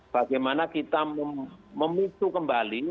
bagaimana kita memutuh kembali